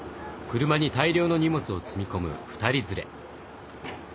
車に大量の荷物を積み込む２人連れ。